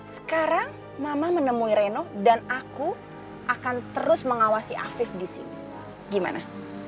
sekarang mama menemui reno dan aku akan terus mengawasi afif di sini gimana